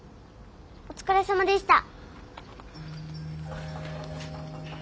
お疲れさまでした。